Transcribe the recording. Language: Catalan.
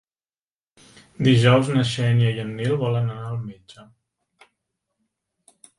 Dijous na Xènia i en Nil volen anar al metge.